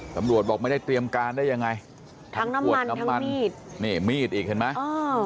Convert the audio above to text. ตำรวจบอกไม่ได้เตรียมการได้ยังไงทั้งขวดน้ำมันมีดนี่มีดอีกเห็นไหม